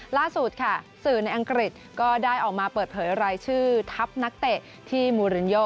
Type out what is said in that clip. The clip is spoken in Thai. ล่าสุดค่ะสื่อในอังกฤษก็ได้ออกมาเปิดเผยรายชื่อทัพนักเตะที่มูรินโย